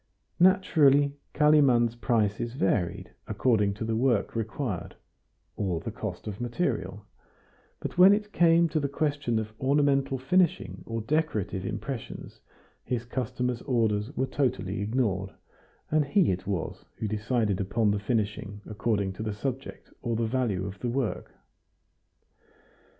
Naturally, Kalimann's prices varied according to the work required, or the cost of material; but when it came to the question of ornamental finishing or decorative impressions, his customer's orders were totally ignored, and he it was who decided upon the finishing according to the subject or the value of the work.